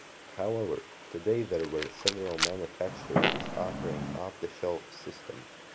However, today there are several manufacturers offering off-the-shelf systems.